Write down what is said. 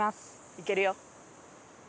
いけるよ。